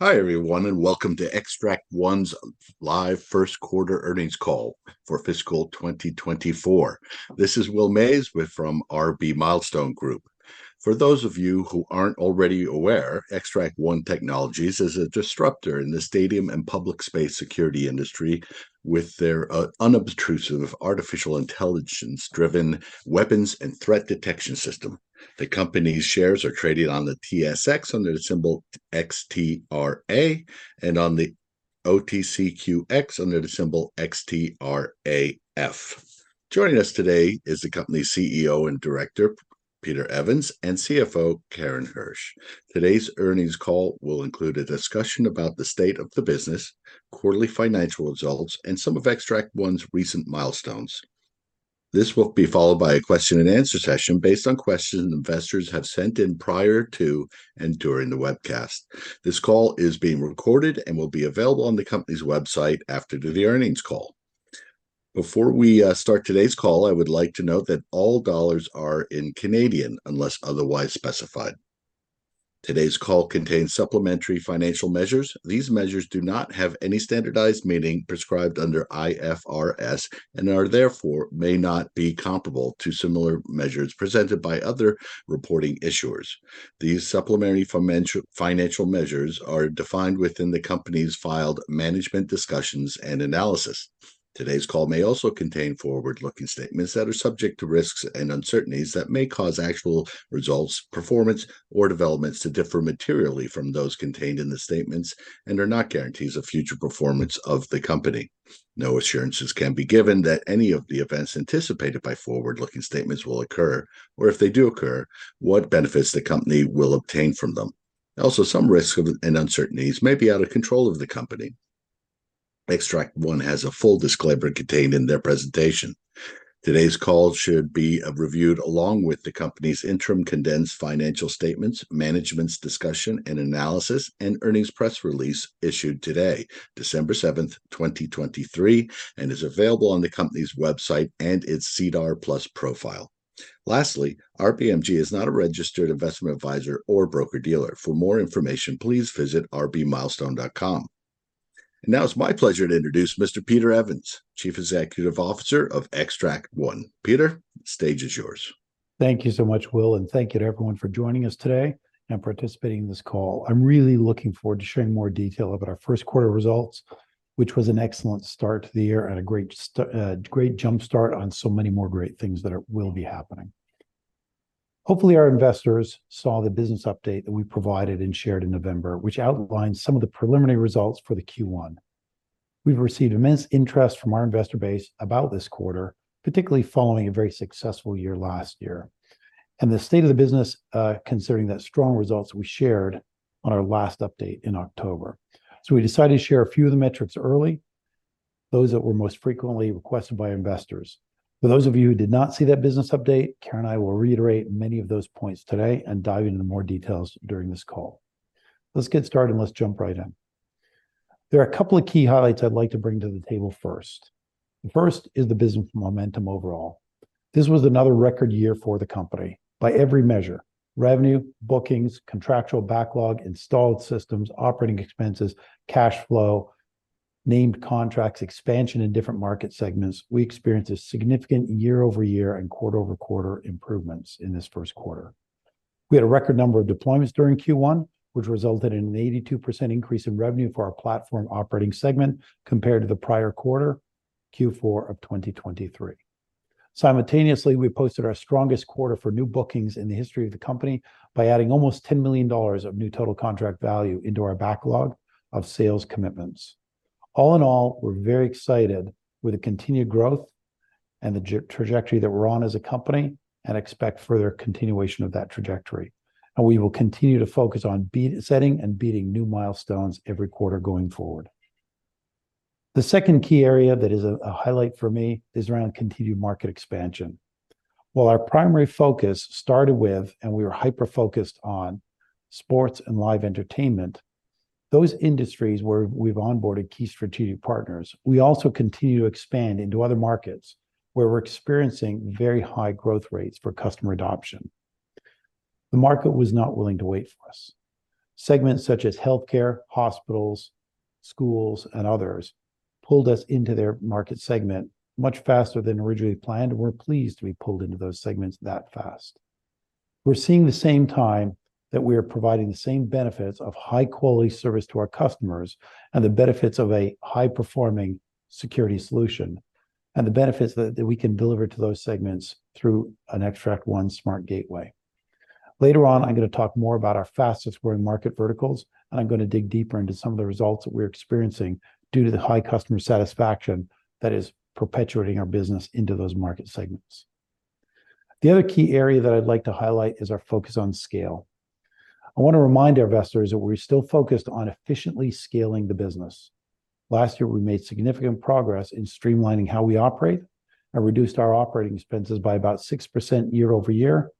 Hi, everyone, and welcome to Xtract One's live first quarter earnings call for fiscal 2024. This is Will Mays with RB Milestone Group. For those of you who aren't already aware, Xtract One Technologies is a disruptor in the stadium and public space security industry with their unobtrusive artificial intelligence-driven weapons and threat detection system. The company's shares are traded on the TSX under the symbol XTRA, and on the OTCQX under the symbol XTRAF. Joining us today is the company's CEO and director, Peter Evans, and CFO, Karen Hersh. Today's earnings call will include a discussion about the state of the business, quarterly financial results, and some of Xtract One's recent milestones. This will be followed by a question and answer session based on questions investors have sent in prior to and during the webcast. This call is being recorded and will be available on the company's website after the earnings call. Before we start today's call, I would like to note that all dollars are in Canadian dollars, unless otherwise specified. Today's call contains supplementary financial measures. These measures do not have any standardized meaning prescribed under IFRS, and are therefore may not be comparable to similar measures presented by other reporting issuers. These supplementary financial measures are defined within the company's filed management discussions and analysis. Today's call may also contain forward-looking statements that are subject to risks and uncertainties that may cause actual results, performance, or developments to differ materially from those contained in the statements and are not guarantees of future performance of the company. No assurances can be given that any of the events anticipated by forward-looking statements will occur, or if they do occur, what benefits the company will obtain from them. Also, some risks and uncertainties may be out of control of the company. Xtract One has a full disclaimer contained in their presentation. Today's call should be reviewed along with the company's interim condensed financial statements, management's discussion and analysis, and earnings press release issued today, December 7th, 2023, and is available on the company's website and its SEDAR+ profile. Lastly, RPMG is not a registered investment advisor or broker-dealer. For more information, please visit rbmilestone.com. Now it's my pleasure to introduce Mr. Peter Evans, Chief Executive Officer of Xtract One. Peter, the stage is yours. Thank you so much, Will, and thank you to everyone for joining us today and participating in this call. I'm really looking forward to sharing more detail about our first quarter results, which was an excellent start to the year and a great jump start on so many more great things that will be happening. Hopefully, our investors saw the business update that we provided and shared in November, which outlines some of the preliminary results for the Q1. We've received immense interest from our investor base about this quarter, particularly following a very successful year last year, and the state of the business, considering the strong results we shared on our last update in October. So we decided to share a few of the metrics early, those that were most frequently requested by investors. For those of you who did not see that business update, Karen and I will reiterate many of those points today and dive into more details during this call. Let's get started, and let's jump right in. There are a couple of key highlights I'd like to bring to the table first. First is the business momentum overall. This was another record year for the company by every measure: revenue, bookings, contractual backlog, installed systems, operating expenses, cash flow, named contracts, expansion in different market segments. We experienced a significant year-over-year and quarter-over-quarter improvements in this first quarter. We had a record number of deployments during Q1, which resulted in an 82% increase in revenue for our platform operating segment compared to the prior quarter, Q4 of 2023. Simultaneously, we posted our strongest quarter for new bookings in the history of the company by adding almost 10 million dollars of new total contract value into our backlog of sales commitments. All in all, we're very excited with the continued growth and the trajectory that we're on as a company and expect further continuation of that trajectory, and we will continue to focus on setting and beating new milestones every quarter going forward. The second key area that is a highlight for me is around continued market expansion. While our primary focus started with, and we were hyper-focused on, sports and live entertainment, those industries where we've onboarded key strategic partners, we also continue to expand into other markets, where we're experiencing very high growth rates for customer adoption. The market was not willing to wait for us. Segments such as healthcare, hospitals, schools, and others pulled us into their market segment much faster than originally planned, and we're pleased to be pulled into those segments that fast. We're seeing the same time that we are providing the same benefits of high-quality service to our customers and the benefits of a high-performing security solution, and the benefits that we can deliver to those segments through an Xtract One SmartGateway. Later on, I'm gonna talk more about our fastest-growing market verticals, and I'm gonna dig deeper into some of the results that we're experiencing due to the high customer satisfaction that is perpetuating our business into those market segments. The other key area that I'd like to highlight is our focus on scale. I wanna remind our investors that we're still focused on efficiently scaling the business. Last year, we made significant progress in streamlining how we operate and reduced our operating expenses by about 6% year-over-year,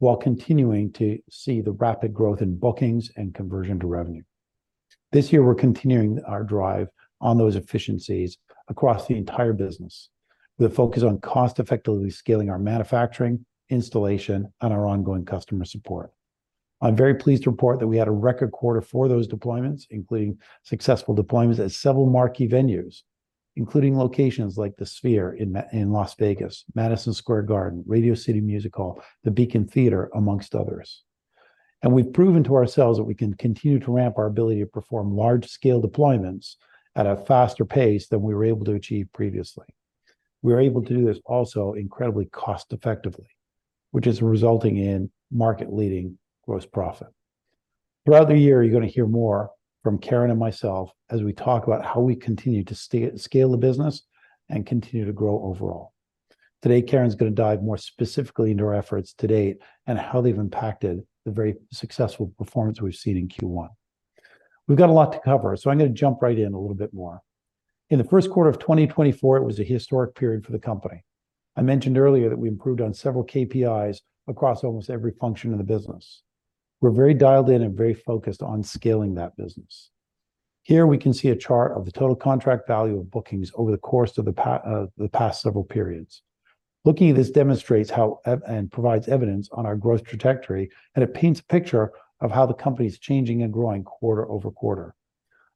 while continuing to see the rapid growth in bookings and conversion to revenue. This year, we're continuing our drive on those efficiencies across the entire business. The focus on cost effectively scaling our manufacturing, installation, and our ongoing customer support. I'm very pleased to report that we had a record quarter for those deployments, including successful deployments at several marquee venues, including locations like the Sphere in Las Vegas, Madison Square Garden, Radio City Music Hall, the Beacon Theatre, among others. And we've proven to ourselves that we can continue to ramp our ability to perform large scale deployments at a faster pace than we were able to achieve previously. We were able to do this also incredibly cost effectively, which is resulting in market leading gross profit. Throughout the year, you're gonna hear more from Karen and myself as we talk about how we continue to scale the business and continue to grow overall. Today, Karen's gonna dive more specifically into our efforts to date, and how they've impacted the very successful performance we've seen in Q1. We've got a lot to cover, so I'm gonna jump right in a little bit more. In the first quarter of 2024, it was a historic period for the company. I mentioned earlier that we improved on several KPIs across almost every function of the business. We're very dialed in and very focused on scaling that business. Here we can see a chart of the total contract value of bookings over the course of the past several periods. Looking at this demonstrates how and provides evidence on our growth trajectory, and it paints a picture of how the company's changing and growing quarter-over-quarter.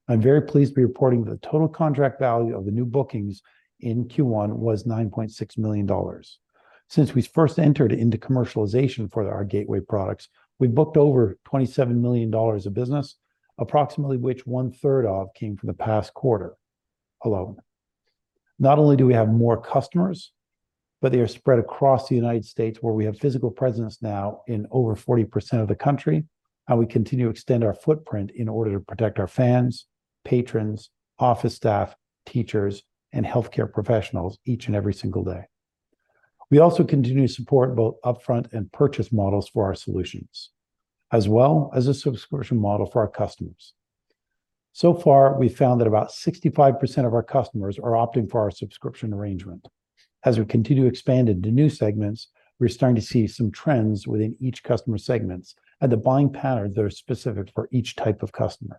I'm very pleased to be reporting the total contract value of the new bookings in Q1 was 9.6 million dollars. Since we first entered into commercialization for our gateway products, we've booked over 27 million dollars of business, approximately, which one-third of came from the past quarter alone. Not only do we have more customers, but they are spread across the United States, where we have physical presence now in over 40% of the country, and we continue to extend our footprint in order to protect our fans, patrons, office staff, teachers, and healthcare professionals each and every single day. We also continue to support both upfront and purchase models for our solutions, as well as a subscription model for our customers. So far, we've found that about 65% of our customers are opting for our subscription arrangement. As we continue to expand into new segments, we're starting to see some trends within each customer segments and the buying patterns that are specific for each type of customer.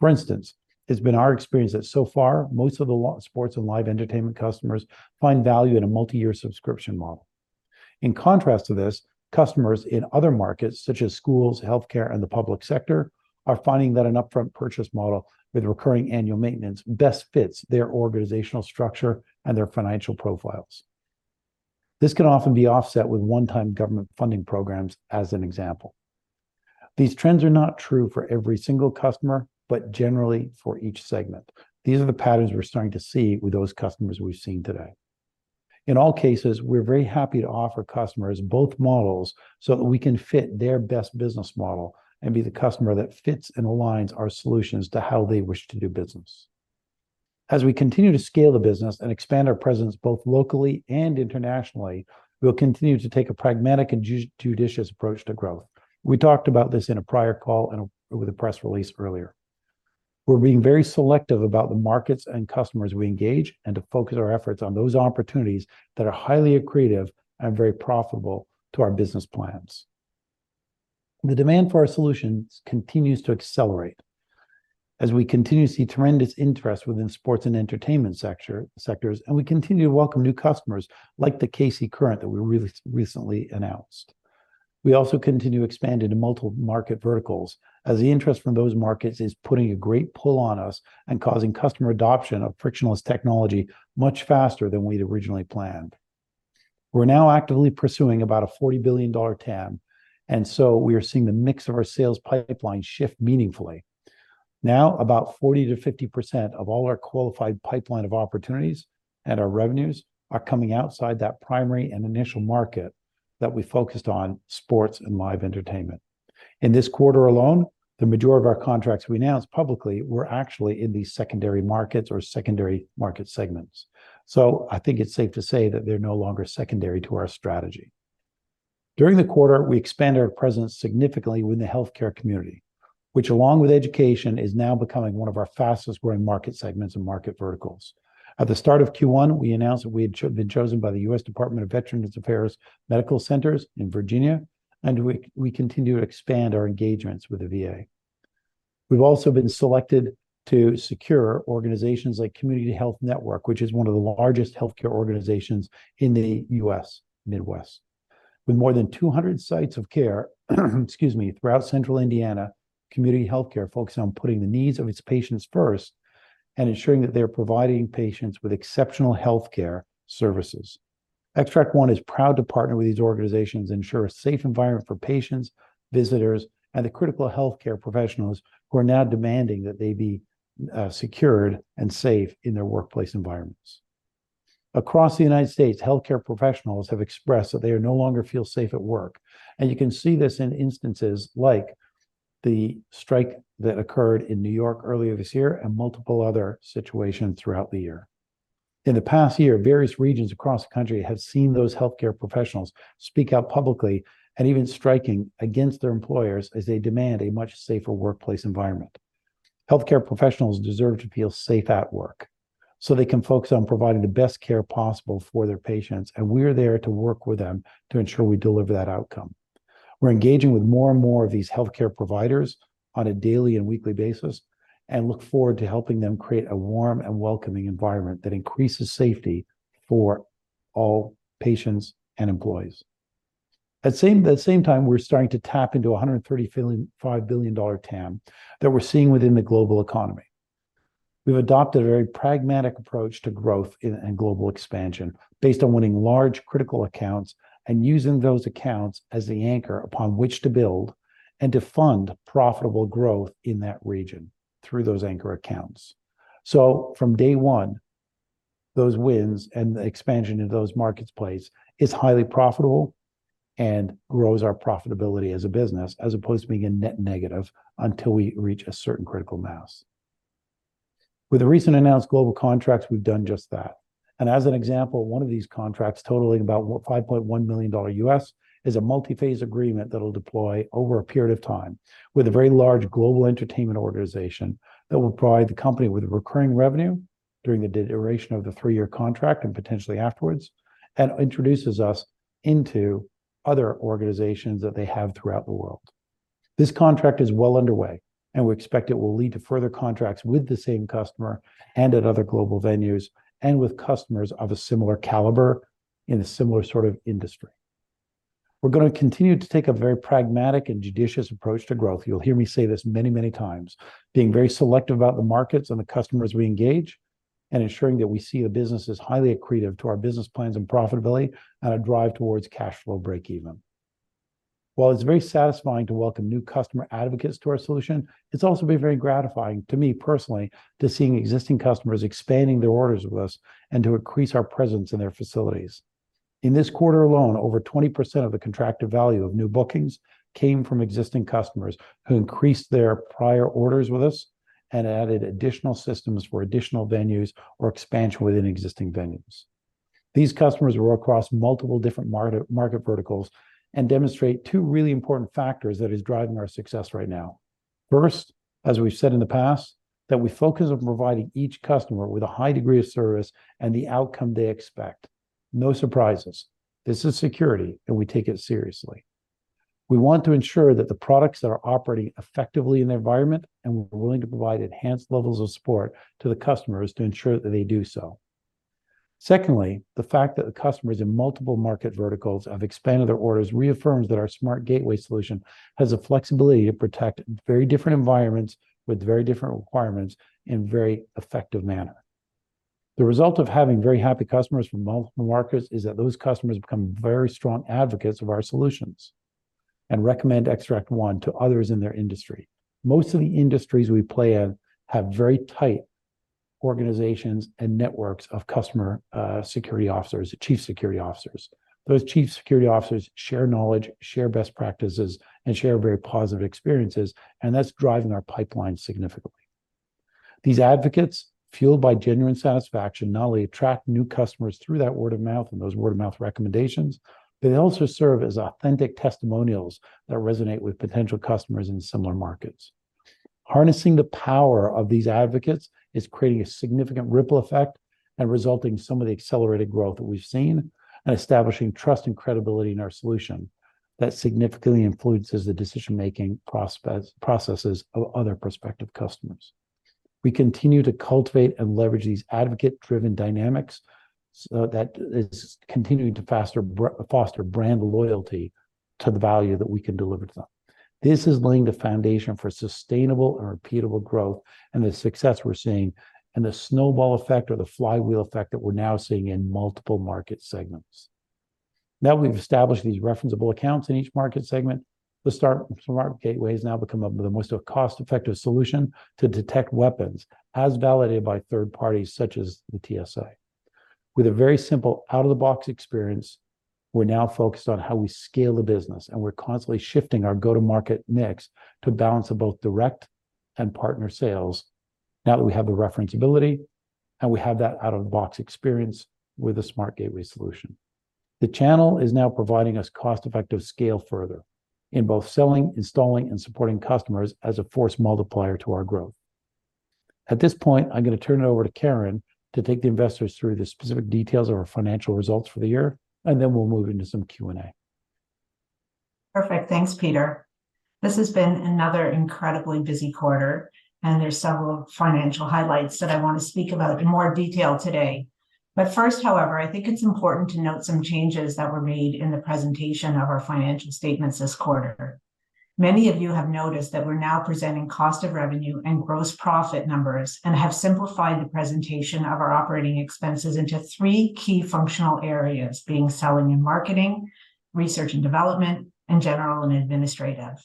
For instance, it's been our experience that so far, most of the sports and live entertainment customers find value in a multi-year subscription model. In contrast to this, customers in other markets, such as schools, healthcare, and the public sector, are finding that an upfront purchase model with recurring annual maintenance best fits their organizational structure and their financial profiles. This can often be offset with one-time government funding programs, as an example. These trends are not true for every single customer, but generally for each segment. These are the patterns we're starting to see with those customers we've seen today. In all cases, we're very happy to offer customers both models so that we can fit their best business model and be the customer that fits and aligns our solutions to how they wish to do business. As we continue to scale the business and expand our presence, both locally and internationally, we'll continue to take a pragmatic and judicious approach to growth. We talked about this in a prior call and with a press release earlier. We're being very selective about the markets and customers we engage, and to focus our efforts on those opportunities that are highly accretive and very profitable to our business plans. The demand for our solutions continues to accelerate as we continue to see tremendous interest within sports and entertainment sector, sectors, and we continue to welcome new customers, like the KC Current, that we recently announced. We also continue to expand into multiple market verticals, as the interest from those markets is putting a great pull on us and causing customer adoption of frictionless technology much faster than we'd originally planned. We're now actively pursuing about a $40 billion TAM, and so we are seeing the mix of our sales pipeline shift meaningfully. Now, about 40%-50% of all our qualified pipeline of opportunities and our revenues are coming outside that primary and initial market that we focused on, sports and live entertainment. In this quarter alone, the majority of our contracts we announced publicly were actually in these secondary markets or secondary market segments. So I think it's safe to say that they're no longer secondary to our strategy. During the quarter, we expanded our presence significantly within the healthcare community, which, along with education, is now becoming one of our fastest growing market segments and market verticals. At the start of Q1, we announced that we had been chosen by the U.S. Department of Veterans Affairs Medical Centers in Virginia, and we, we continue to expand our engagements with the VA. We've also been selected to secure organizations like Community Health Network, which is one of the largest healthcare organizations in the U.S. Midwest. With more than 200 sites of care, excuse me, throughout central Indiana, Community Health Network focuses on putting the needs of its patients first and ensuring that they're providing patients with exceptional healthcare services. Xtract One is proud to partner with these organizations to ensure a safe environment for patients, visitors, and the critical healthcare professionals who are now demanding that they be secured and safe in their workplace environments. Across the United States, healthcare professionals have expressed that they no longer feel safe at work, and you can see this in instances like the strike that occurred in New York earlier this year and multiple other situations throughout the year. In the past year, various regions across the country have seen those healthcare professionals speak out publicly and even striking against their employers as they demand a much safer workplace environment. Healthcare professionals deserve to feel safe at work, so they can focus on providing the best care possible for their patients, and we're there to work with them to ensure we deliver that outcome.... We're engaging with more and more of these healthcare providers on a daily and weekly basis, and look forward to helping them create a warm and welcoming environment that increases safety for all patients and employees. At the same time, we're starting to tap into a $135 billion TAM that we're seeing within the global economy. We've adopted a very pragmatic approach to growth and global expansion, based on winning large, critical accounts, and using those accounts as the anchor upon which to build, and to fund profitable growth in that region through those anchor accounts. So from day one, those wins, and the expansion into those marketplaces, is highly profitable, and grows our profitability as a business, as opposed to being a net negative until we reach a certain critical mass. With the recent announced global contracts, we've done just that, and as an example, one of these contracts, totaling about $5.1 million, is a multi-phase agreement that'll deploy over a period of time with a very large global entertainment organization, that will provide the company with recurring revenue during the duration of the three-year contract, and potentially afterwards, and introduces us into other organizations that they have throughout the world. This contract is well underway, and we expect it will lead to further contracts with the same customer, and at other global venues, and with customers of a similar caliber in a similar sort of industry. We're gonna continue to take a very pragmatic and judicious approach to growth. You'll hear me say this many, many times. Being very selective about the markets and the customers we engage, and ensuring that we see the business as highly accretive to our business plans and profitability, and a drive towards cash flow break even. While it's very satisfying to welcome new customer advocates to our solution, it's also been very gratifying to me personally, to seeing existing customers expanding their orders with us, and to increase our presence in their facilities. In this quarter alone, over 20% of the contracted value of new bookings came from existing customers, who increased their prior orders with us, and added additional systems for additional venues or expansion within existing venues. These customers were across multiple different market verticals, and demonstrate two really important factors that is driving our success right now. First, as we've said in the past, that we focus on providing each customer with a high degree of service and the outcome they expect. No surprises. This is security, and we take it seriously. We want to ensure that the products are operating effectively in the environment, and we're willing to provide enhanced levels of support to the customers to ensure that they do so. Secondly, the fact that the customers in multiple market verticals have expanded their orders reaffirms that our SmartGateway solution has the flexibility to protect very different environments with very different requirements in very effective manner. The result of having very happy customers from multiple markets is that those customers become very strong advocates of our solutions, and recommend Xtract One to others in their industry. Most of the industries we play in have very tight organizations and networks of customer security officers, chief security officers. Those chief security officers share knowledge, share best practices, and share very positive experiences, and that's driving our pipeline significantly. These advocates, fueled by genuine satisfaction, not only attract new customers through that word-of-mouth and those word-of-mouth recommendations, they also serve as authentic testimonials that resonate with potential customers in similar markets. Harnessing the power of these advocates is creating a significant ripple effect, and resulting in some of the accelerated growth that we've seen, and establishing trust and credibility in our solution that significantly influences the decision-making processes of other prospective customers. We continue to cultivate and leverage these advocate-driven dynamics, so that is continuing to foster brand loyalty to the value that we can deliver to them. This is laying the foundation for sustainable and repeatable growth, and the success we're seeing, and the snowball effect or the flywheel effect that we're now seeing in multiple market segments. Now that we've established these referenceable accounts in each market segment, the SmartGateway has now become the most cost-effective solution to detect weapons, as validated by third parties such as the TSA. With a very simple out-of-the-box experience, we're now focused on how we scale the business, and we're constantly shifting our go-to-market mix to balance of both direct and partner sales now that we have the referenceability, and we have that out-of-the-box experience with the SmartGateway solution. The channel is now providing us cost-effective scale further in both selling, installing, and supporting customers as a force multiplier to our growth. At this point, I'm gonna turn it over to Karen to take the investors through the specific details of our financial results for the year, and then we'll move into some Q&A. Perfect. Thanks, Peter. This has been another incredibly busy quarter, and there's several financial highlights that I wanna speak about in more detail today. But first, however, I think it's important to note some changes that were made in the presentation of our financial statements this quarter. Many of you have noticed that we're now presenting cost of revenue and gross profit numbers, and have simplified the presentation of our operating expenses into three key functional areas, being selling and marketing, research and development, and general and administrative.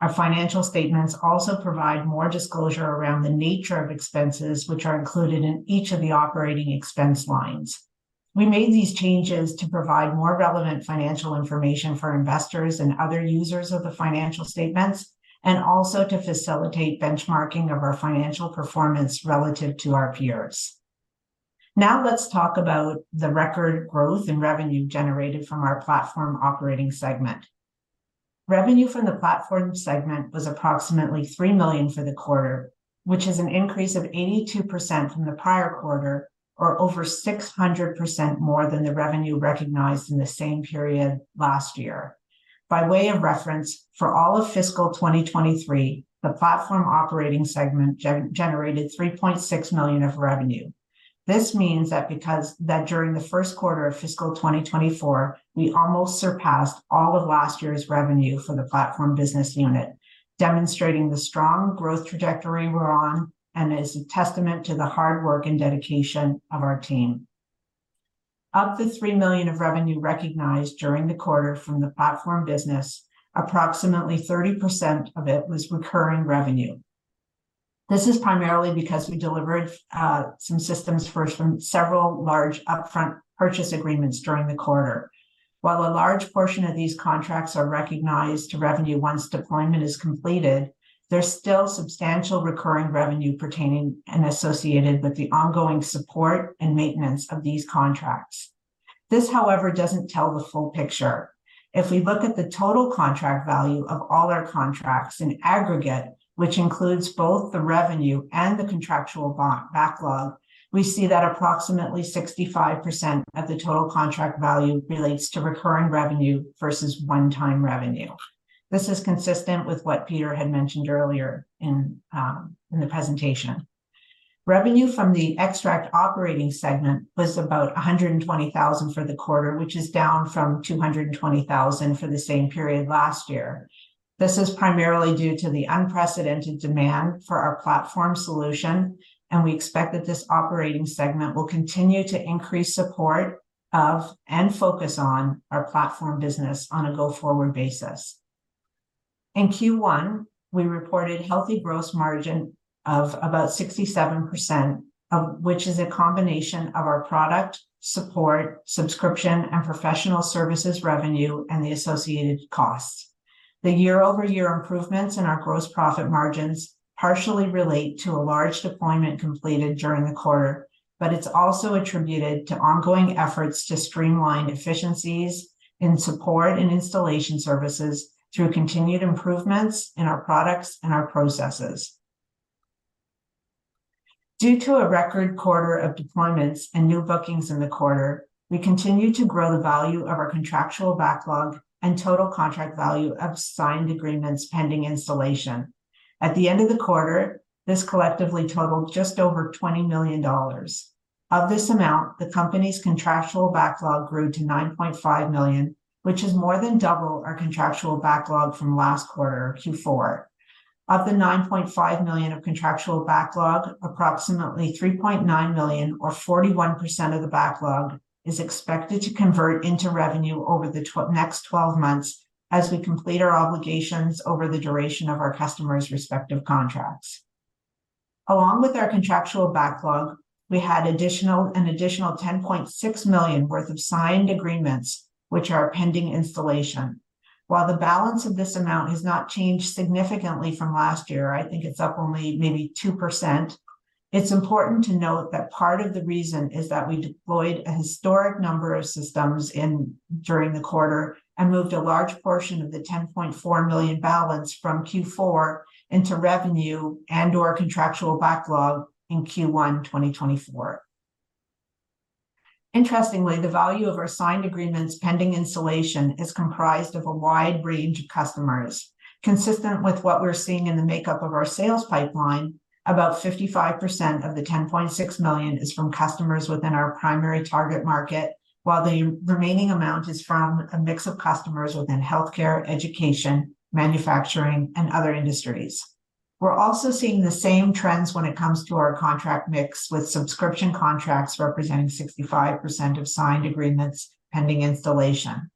Our financial statements also provide more disclosure around the nature of expenses, which are included in each of the operating expense lines. We made these changes to provide more relevant financial information for investors and other users of the financial statements, and also to facilitate benchmarking of our financial performance relative to our peers. Now, let's talk about the record growth and revenue generated from our platform operating segment. Revenue from the platform segment was approximately 3 million for the quarter, which is an increase of 82% from the prior quarter, or over 600% more than the revenue recognized in the same period last year. By way of reference, for all of fiscal 2023, the platform operating segment generated 3.6 million of revenue. This means that because that during the first quarter of fiscal 2024, we almost surpassed all of last year's revenue for the platform business unit, demonstrating the strong growth trajectory we're on, and is a testament to the hard work and dedication of our team. Of the 3 million of revenue recognized during the quarter from the platform business unit, approximately 30% of it was recurring revenue. This is primarily because we delivered some systems first from several large upfront purchase agreements during the quarter. While a large portion of these contracts are recognized to revenue once deployment is completed, there's still substantial recurring revenue pertaining and associated with the ongoing support and maintenance of these contracts. This, however, doesn't tell the full picture. If we look at the total contract value of all our contracts in aggregate, which includes both the revenue and the contractual backlog, we see that approximately 65% of the total contract value relates to recurring revenue versus one-time revenue. This is consistent with what Peter had mentioned earlier in the presentation. Revenue from the Xtract operating segment was about 120,000 for the quarter, which is down from 220,000 for the same period last year. This is primarily due to the unprecedented demand for our platform solution, and we expect that this operating segment will continue to increase support of, and focus on our platform business on a go-forward basis. In Q1, we reported healthy gross margin of about 67%, which is a combination of our product, support, subscription, and professional services revenue, and the associated costs. The year-over-year improvements in our gross profit margins partially relate to a large deployment completed during the quarter, but it's also attributed to ongoing efforts to streamline efficiencies in support and installation services through continued improvements in our products and our processes. Due to a record quarter of deployments and new bookings in the quarter, we continue to grow the value of our contractual backlog and total contract value of signed agreements pending installation. At the end of the quarter, this collectively totaled just over 20 million dollars. Of this amount, the company's contractual backlog grew to 9.5 million, which is more than double our contractual backlog from last quarter, Q4. Of the 9.5 million of contractual backlog, approximately 3.9 million or 41% of the backlog is expected to convert into revenue over the next 12 months as we complete our obligations over the duration of our customers' respective contracts. Along with our contractual backlog, we had an additional 10.6 million worth of signed agreements, which are pending installation. While the balance of this amount has not changed significantly from last year, I think it's up only maybe 2%, it's important to note that part of the reason is that we deployed a historic number of systems during the quarter, and moved a large portion of the 10.4 million balance from Q4 into revenue and/or contractual backlog in Q1, 2024. Interestingly, the value of our signed agreements pending installation is comprised of a wide range of customers. Consistent with what we're seeing in the makeup of our sales pipeline, about 55% of the 10.6 million is from customers within our primary target market, while the remaining amount is from a mix of customers within healthcare, education, manufacturing, and other industries. We're also seeing the same trends when it comes to our contract mix, with subscription contracts representing 65% of signed agreements pending installation.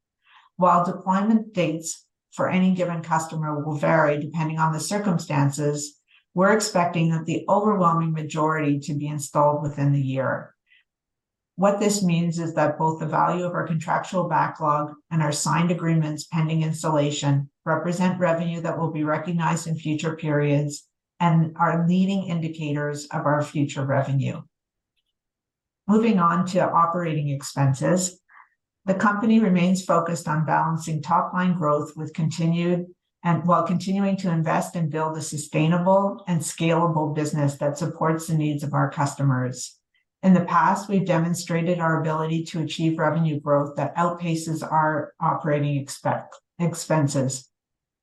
While deployment dates for any given customer will vary, depending on the circumstances, we're expecting that the overwhelming majority to be installed within the year. What this means is that both the value of our contractual backlog and our signed agreements pending installation represent revenue that will be recognized in future periods and are leading indicators of our future revenue. Moving on to operating expenses, the company remains focused on balancing top-line growth with continued... and while continuing to invest and build a sustainable and scalable business that supports the needs of our customers. In the past, we've demonstrated our ability to achieve revenue growth that outpaces our operating expenses.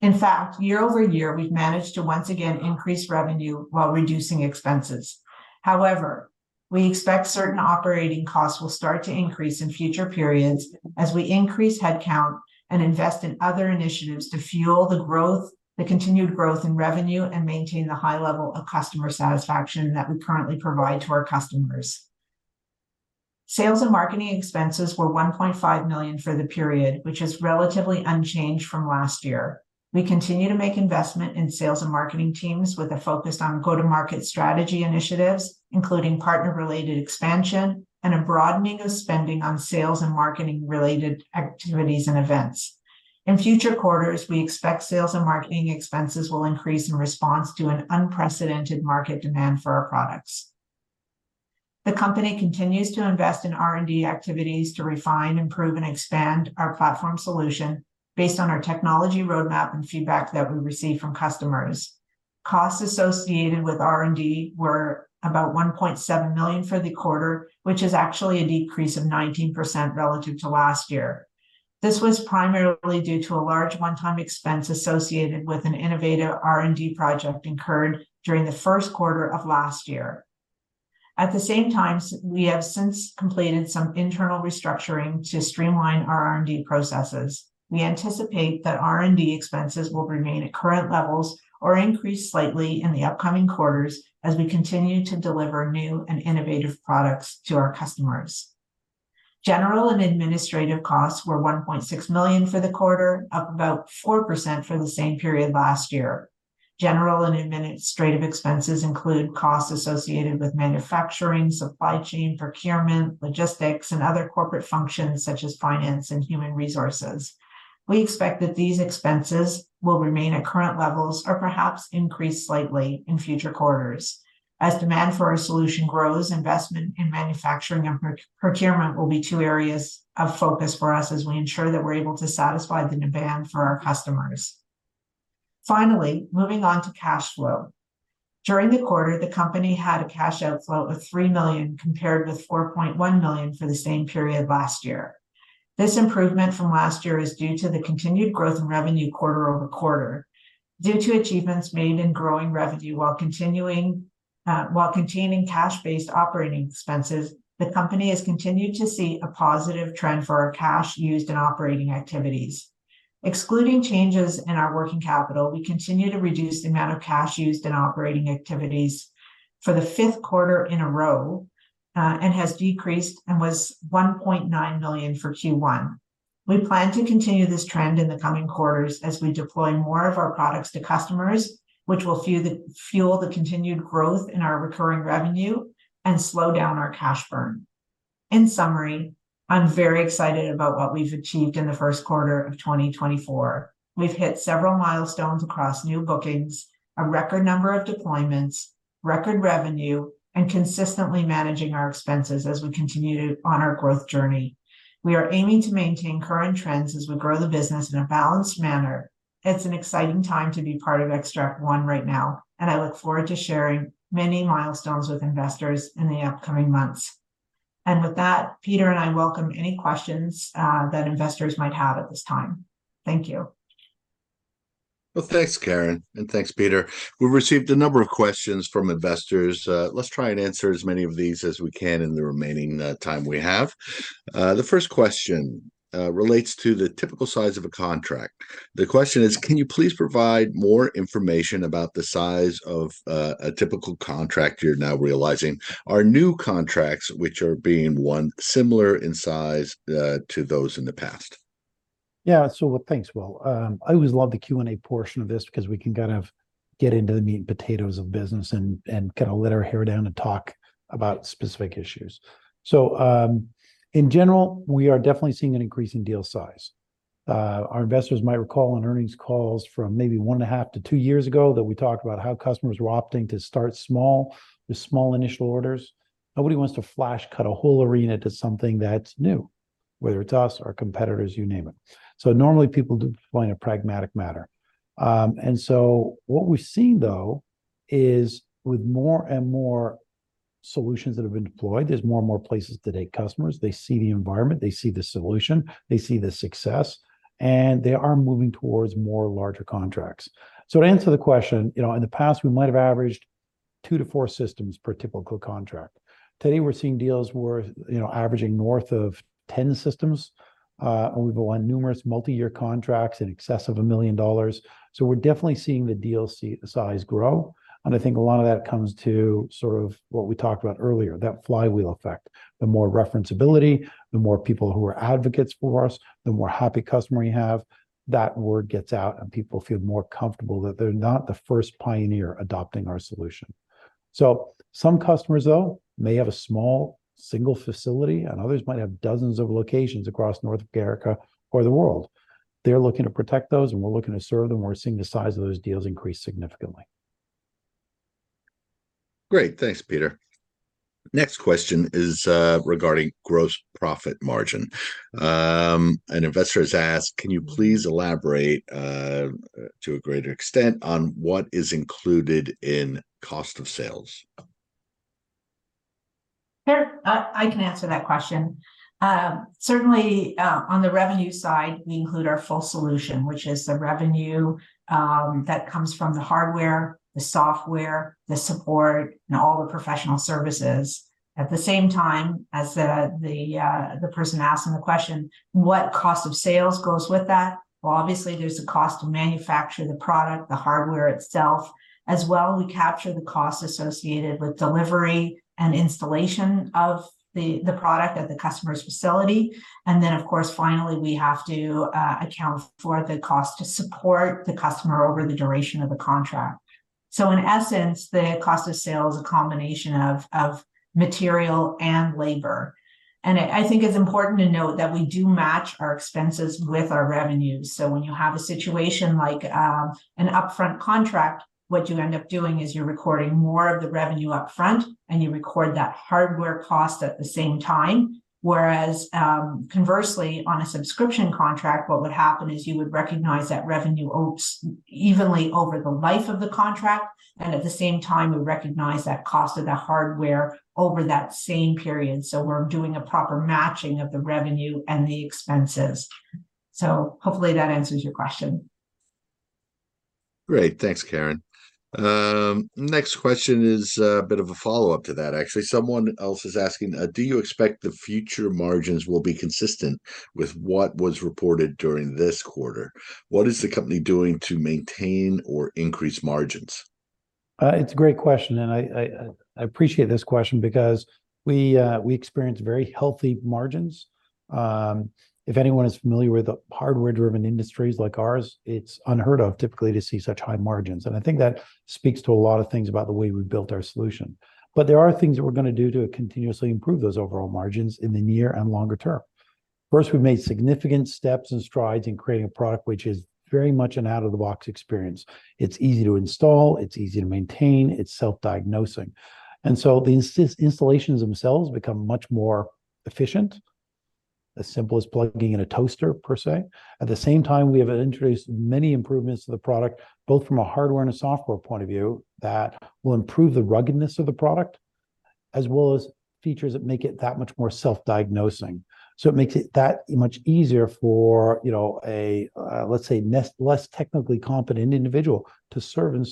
In fact, year-over-year, we've managed to once again increase revenue while reducing expenses. However, we expect certain operating costs will start to increase in future periods as we increase headcount and invest in other initiatives to fuel the growth, the continued growth in revenue, and maintain the high level of customer satisfaction that we currently provide to our customers. Sales and marketing expenses were 1.5 million for the period, which is relatively unchanged from last year. We continue to make investment in sales and marketing teams with a focus on go-to-market strategy initiatives, including partner-related expansion and a broadening of spending on sales and marketing related activities and events. In future quarters, we expect sales and marketing expenses will increase in response to an unprecedented market demand for our products. The company continues to invest in R&D activities to refine, improve, and expand our platform solution based on our technology roadmap and feedback that we receive from customers. Costs associated with R&D were about 1.7 million for the quarter, which is actually a decrease of 19% relative to last year. This was primarily due to a large one-time expense associated with an innovative R&D project incurred during the first quarter of last year. At the same time, we have since completed some internal restructuring to streamline our R&D processes. We anticipate that R&D expenses will remain at current levels or increase slightly in the upcoming quarters as we continue to deliver new and innovative products to our customers. General and administrative costs were 1.6 million for the quarter, up about 4% from the same period last year. General and administrative expenses include costs associated with manufacturing, supply chain, procurement, logistics, and other corporate functions, such as finance and human resources. We expect that these expenses will remain at current levels or perhaps increase slightly in future quarters. As demand for our solution grows, investment in manufacturing and procurement will be two areas of focus for us as we ensure that we're able to satisfy the demand for our customers. Finally, moving on to cash flow. During the quarter, the company had a cash outflow of 3 million, compared with 4.1 million for the same period last year. This improvement from last year is due to the continued growth in revenue quarter-over-quarter. Due to achievements made in growing revenue while continuing while containing cash-based operating expenses, the company has continued to see a positive trend for our cash used in operating activities. Excluding changes in our working capital, we continue to reduce the amount of cash used in operating activities for the fifth quarter in a row, and has decreased and was 1.9 million for Q1. We plan to continue this trend in the coming quarters as we deploy more of our products to customers, which will fuel the continued growth in our recurring revenue and slow down our cash burn. In summary, I'm very excited about what we've achieved in the first quarter of 2024. We've hit several milestones across new bookings, a record number of deployments, record revenue, and consistently managing our expenses as we continue to on our growth journey. We are aiming to maintain current trends as we grow the business in a balanced manner. It's an exciting time to be part of Xtract One right now, and I look forward to sharing many milestones with investors in the upcoming months. With that, Peter and I welcome any questions that investors might have at this time. Thank you. Well, thanks, Karen, and thanks, Peter. We've received a number of questions from investors. Let's try and answer as many of these as we can in the remaining time we have. The first question relates to the typical size of a contract. The question is: can you please provide more information about the size of a typical contract you're now realizing? Are new contracts, which are being won, similar in size to those in the past? Yeah. So, well, thanks, Will. I always love the Q&A portion of this, because we can kind of get into the meat and potatoes of business and, and kind of let our hair down and talk about specific issues. So, in general, we are definitely seeing an increase in deal size. Our investors might recall on earnings calls from maybe 1.5 years-2 years ago, that we talked about how customers were opting to start small, with small initial orders. Nobody wants to flash cut a whole arena to something that's new, whether it's us or competitors, you name it. So normally, people deploy in a pragmatic manner. And so what we've seen, though, is with more and more solutions that have been deployed, there's more and more places today. Customers, they see the environment, they see the solution, they see the success, and they are moving towards more larger contracts. So to answer the question, you know, in the past, we might have averaged 2-4 systems per typical contract. Today, we're seeing deals worth, you know, averaging north of 10 systems. And we've won numerous multi-year contracts in excess of 1 million dollars. So we're definitely seeing the deal size grow, and I think a lot of that comes to sort of what we talked about earlier, that flywheel effect. The more referenceability, the more people who are advocates for us, the more happy customer you have, that word gets out, and people feel more comfortable that they're not the first pioneer adopting our solution. Some customers, though, may have a small single facility, and others might have dozens of locations across North America or the world. They're looking to protect those, and we're looking to serve them. We're seeing the size of those deals increase significantly. Great. Thanks, Peter. Next question is regarding gross profit margin. An investor has asked: "Can you please elaborate to a greater extent on what is included in cost of sales? Sure. I can answer that question. Certainly, on the revenue side, we include our full solution, which is the revenue that comes from the hardware, the software, the support, and all the professional services. At the same time, as the person asking the question, what cost of sales goes with that? Well, obviously, there's a cost to manufacture the product, the hardware itself. As well, we capture the costs associated with delivery and installation of the product at the customer's facility. And then, of course, finally, we have to account for the cost to support the customer over the duration of the contract. So in essence, the cost of sales is a combination of material and labor, and I think it's important to note that we do match our expenses with our revenues. So when you have a situation like an upfront contract, what you end up doing is you're recording more of the revenue upfront, and you record that hardware cost at the same time. Whereas, conversely, on a subscription contract, what would happen is you would recognize that revenue evenly over the life of the contract, and at the same time, you recognize that cost of the hardware over that same period. So we're doing a proper matching of the revenue and the expenses. So hopefully that answers your question. Great, thanks, Karen. Next question is a bit of a follow-up to that, actually. Someone else is asking: "Do you expect the future margins will be consistent with what was reported during this quarter? What is the company doing to maintain or increase margins? It's a great question, and I appreciate this question because we experience very healthy margins. If anyone is familiar with the hardware-driven industries like ours, it's unheard of, typically, to see such high margins, and I think that speaks to a lot of things about the way we've built our solution. But there are things that we're gonna do to continuously improve those overall margins in the near and longer term. First, we've made significant steps and strides in creating a product which is very much an out-of-the-box experience. It's easy to install, it's easy to maintain, it's self-diagnosing. And so the installations themselves become much more efficient, as simple as plugging in a toaster, per se. At the same time, we have introduced many improvements to the product, both from a hardware and a software point of view, that will improve the ruggedness of the product, as well as features that make it that much more self-diagnosing. So it makes it that much easier for, you know, a less technically competent individual to serve and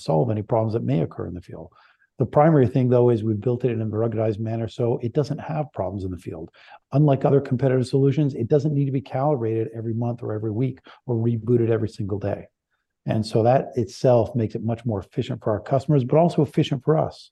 solve any problems that may occur in the field. The primary thing, though, is we've built it in a ruggedized manner, so it doesn't have problems in the field. Unlike other competitive solutions, it doesn't need to be calibrated every month or every week, or rebooted every single day. And so that itself makes it much more efficient for our customers, but also efficient for us.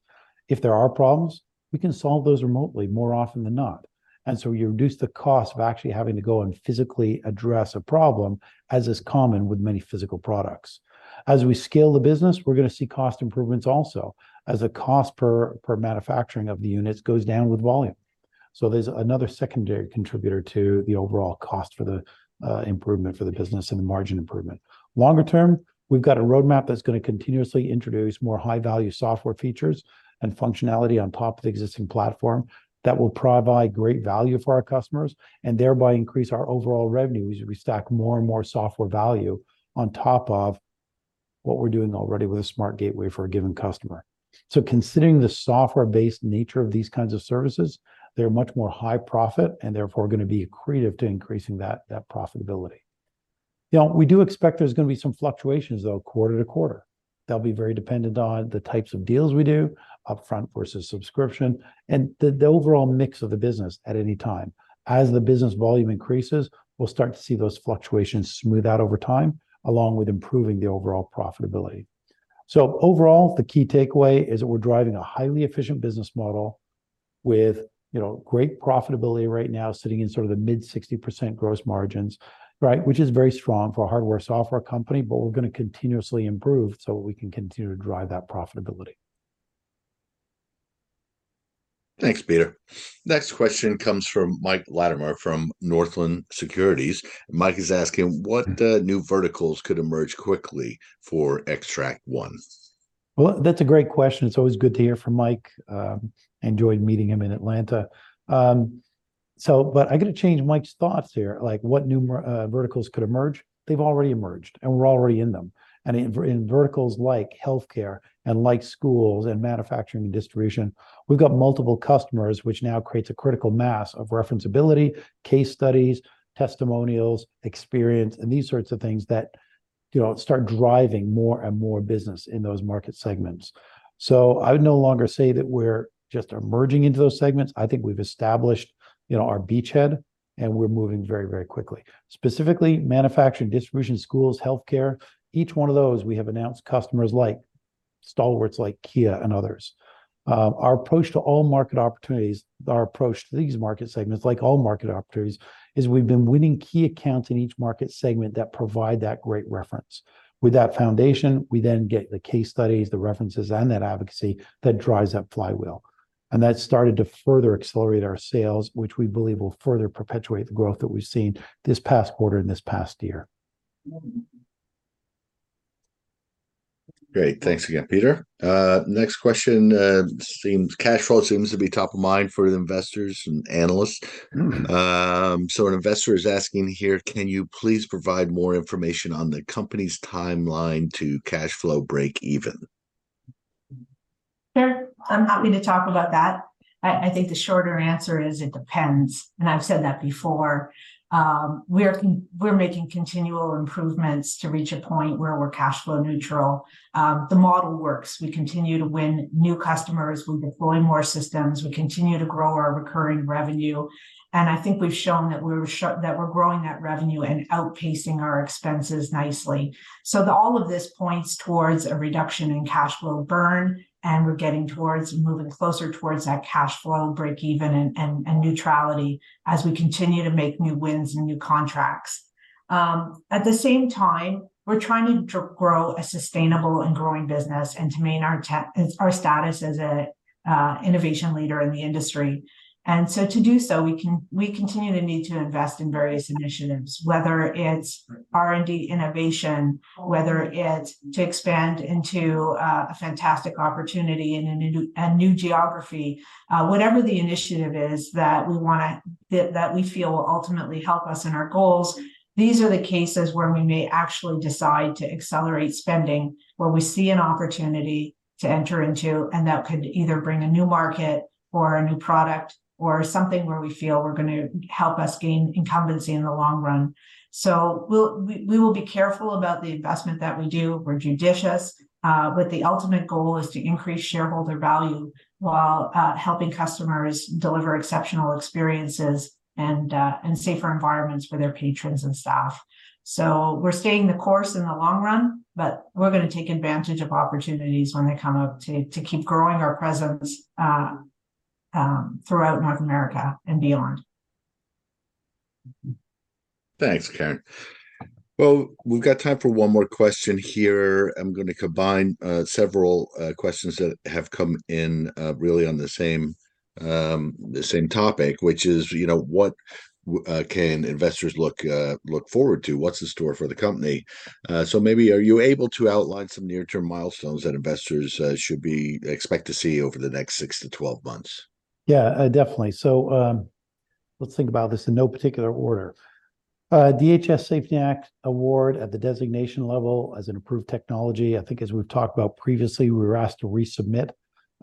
If there are problems, we can solve those remotely more often than not, and so you reduce the cost of actually having to go and physically address a problem, as is common with many physical products. As we scale the business, we're gonna see cost improvements also, as the cost per, per manufacturing of the units goes down with volume. So there's another secondary contributor to the overall cost for the, improvement for the business and the margin improvement. Longer term, we've got a roadmap that's gonna continuously introduce more high-value software features and functionality on top of the existing platform, that will provide great value for our customers, and thereby increase our overall revenue as we stack more and more software value on top of what we're doing already with a SmartGateway for a given customer. So considering the software-based nature of these kinds of services, they're much more high profit, and therefore are gonna be accretive to increasing that profitability. Now, we do expect there's gonna be some fluctuations, though, quarter to quarter. They'll be very dependent on the types of deals we do, upfront versus subscription, and the overall mix of the business at any time. As the business volume increases, we'll start to see those fluctuations smooth out over time, along with improving the overall profitability. So overall, the key takeaway is that we're driving a highly efficient business model with, you know, great profitability right now, sitting in sort of the mid-60% gross margins, right? Which is very strong for a hardware/software company, but we're gonna continuously improve so we can continue to drive that profitability. Thanks, Peter. Next question comes from Mike Latimore from Northland Securities. Mike is asking: "What, new verticals could emerge quickly for Xtract One? Well, that's a great question. It's always good to hear from Mike. Enjoyed meeting him in Atlanta. But I'm gonna change Mike's thoughts here, like what new verticals could emerge? They've already emerged, and we're already in them. In verticals like healthcare, and like schools, and manufacturing, and distribution, we've got multiple customers, which now creates a critical mass of referenceability, case studies, testimonials, experience, and these sorts of things that, you know, start driving more and more business in those market segments. So I would no longer say that we're just emerging into those segments, I think we've established, you know, our beachhead, and we're moving very, very quickly. Specifically, manufacturing, distribution, schools, healthcare, each one of those we have announced customers like stalwarts like Kia and others. Our approach to all market opportunities... Our approach to these market segments, like all market opportunities, is we've been winning key accounts in each market segment that provide that great reference. With that foundation, we then get the case studies, the references, and that advocacy, that drives that flywheel, and that's started to further accelerate our sales, which we believe will further perpetuate the growth that we've seen this past quarter and this past year. Great. Thanks again, Peter. Next question, cash flow seems to be top of mind for the investors and analysts. Mm. An investor is asking here: "Can you please provide more information on the company's timeline to cashflow breakeven? Sure, I'm happy to talk about that. I think the shorter answer is, it depends, and I've said that before. We're making continual improvements to reach a point where we're cashflow neutral. The model works. We continue to win new customers, we deploy more systems, we continue to grow our recurring revenue, and I think we've shown that we're growing that revenue and outpacing our expenses nicely. So all of this points towards a reduction in cashflow burn, and we're getting towards, moving closer towards that cashflow breakeven and neutrality, as we continue to make new wins and new contracts. At the same time, we're trying to grow a sustainable and growing business, and to maintain our status as an innovation leader in the industry. To do so, we continue to need to invest in various initiatives, whether it's R&D innovation, whether it's to expand into a fantastic opportunity in a new geography. Whatever the initiative is that we feel will ultimately help us in our goals, these are the cases where we may actually decide to accelerate spending, where we see an opportunity to enter into, and that could either bring a new market, or a new product, or something where we feel we're gonna help us gain incumbency in the long run. So we will be careful about the investment that we do. We're judicious, but the ultimate goal is to increase shareholder value, while helping customers deliver exceptional experiences and safer environments for their patrons and staff. We're staying the course in the long run, but we're gonna take advantage of opportunities when they come up to keep growing our presence throughout North America and beyond. Thanks, Karen. Well, we've got time for 1 more question here. I'm gonna combine several questions that have come in really on the same topic, which is, you know, what can investors look forward to? What's in store for the company? So maybe are you able to outline some near-term milestones that investors should expect to see over the next 6 months-12 months? Yeah, definitely. So, let's think about this in no particular order. DHS SAFETY Act award at the designation level as an approved technology, I think as we've talked about previously, we were asked to resubmit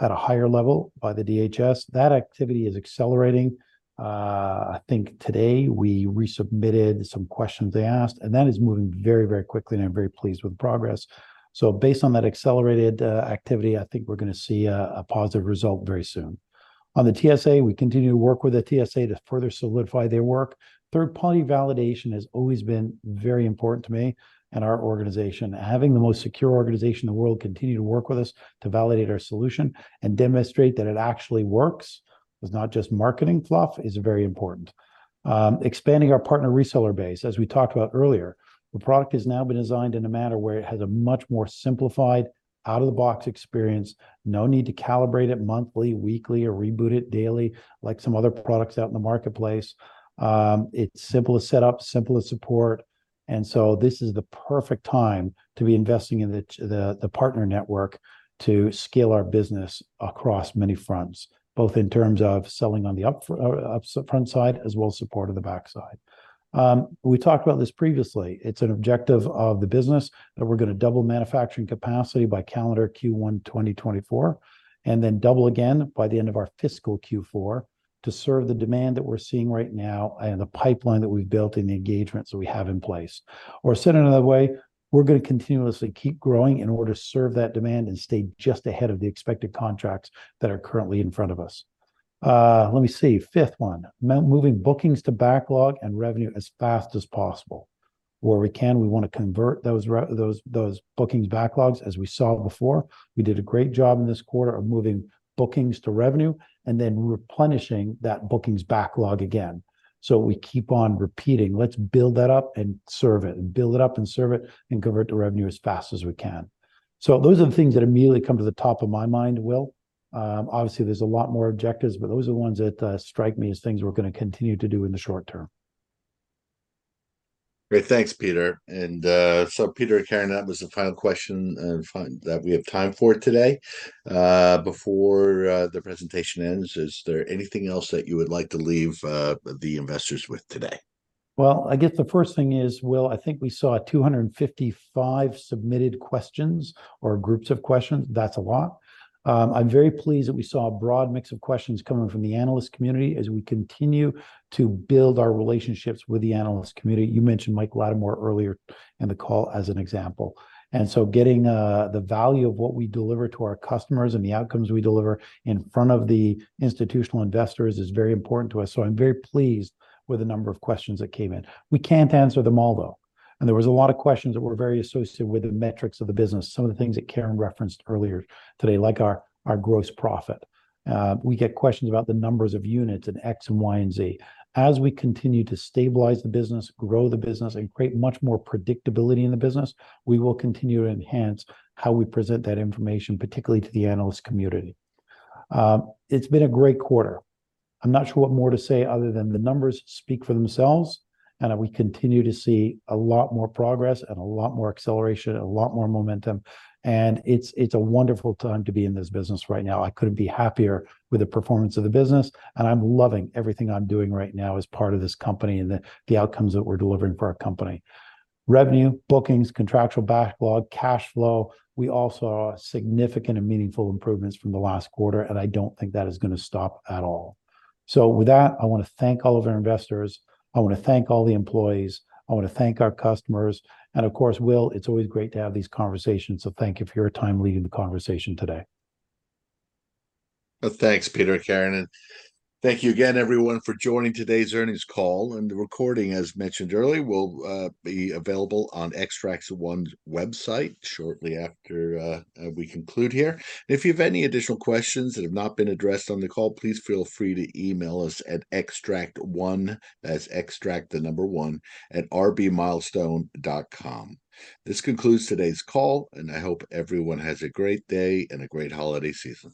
at a higher level by the DHS. That activity is accelerating. I think today we resubmitted some questions they asked, and that is moving very, very quickly, and I'm very pleased with the progress. So based on that accelerated activity, I think we're gonna see a positive result very soon. On the TSA, we continue to work with the TSA to further solidify their work. Third-party validation has always been very important to me and our organization, and having the most secure organization in the world continue to work with us to validate our solution and demonstrate that it actually works, it's not just marketing fluff, is very important. Expanding our partner reseller base, as we talked about earlier, the product has now been designed in a manner where it has a much more simplified, out-of-the-box experience. No need to calibrate it monthly, weekly, or reboot it daily, like some other products out in the marketplace. It's simple to set up, simple to support, and so this is the perfect time to be investing in the partner network to scale our business across many fronts, both in terms of selling on the up front side, as well as support on the back side. We talked about this previously. It's an objective of the business that we're gonna double manufacturing capacity by calendar Q1 2024, and then double again by the end of our fiscal Q4 to serve the demand that we're seeing right now and the pipeline that we've built and the engagements that we have in place. Or said another way, we're gonna continuously keep growing in order to serve that demand and stay just ahead of the expected contracts that are currently in front of us. Let me see, fifth one, moving bookings to backlog and revenue as fast as possible. Where we can, we want to convert those bookings backlogs as we saw before. We did a great job in this quarter of moving bookings to revenue and then replenishing that bookings backlog again. So we keep on repeating, "Let's build that up and serve it, and build it up and serve it, and convert to revenue as fast as we can." So those are the things that immediately come to the top of my mind, Will. Obviously, there's a lot more objectives, but those are the ones that strike me as things we're gonna continue to do in the short term. Great. Thanks, Peter. And, so Peter and Karen, that was the final question, and that we have time for today. Before the presentation ends, is there anything else that you would like to leave the investors with today? Well, I guess the first thing is, Will, I think we saw 255 submitted questions or groups of questions. That's a lot. I'm very pleased that we saw a broad mix of questions coming from the analyst community as we continue to build our relationships with the analyst community. You mentioned Mike Latimore earlier in the call as an example. And so getting, the value of what we deliver to our customers and the outcomes we deliver in front of the institutional investors is very important to us, so I'm very pleased with the number of questions that came in. We can't answer them all, though, and there was a lot of questions that were very associated with the metrics of the business, some of the things that Karen referenced earlier today, like our, our gross profit. We get questions about the numbers of units and X and Y and Z. As we continue to stabilize the business, grow the business, and create much more predictability in the business, we will continue to enhance how we present that information, particularly to the analyst community. It's been a great quarter. I'm not sure what more to say other than the numbers speak for themselves, and we continue to see a lot more progress and a lot more acceleration, a lot more momentum, and it's, it's a wonderful time to be in this business right now. I couldn't be happier with the performance of the business, and I'm loving everything I'm doing right now as part of this company and the, the outcomes that we're delivering for our company. Revenue, bookings, contractual backlog, cash flow, we all saw significant and meaningful improvements from the last quarter, and I don't think that is gonna stop at all. So with that, I want to thank all of our investors, I want to thank all the employees, I want to thank our customers, and of course, Will, it's always great to have these conversations, so thank you for your time leading the conversation today. Well, thanks, Peter and Karen, and thank you again, everyone, for joining today's earnings call. And the recording, as mentioned earlier, will be available on Xtract One's website shortly after we conclude here. And if you have any additional questions that have not been addressed on the call, please feel free to email us at Xtract One, that's Xtract, the number one, @rbmilestone.com. This concludes today's call, and I hope everyone has a great day and a great holiday season.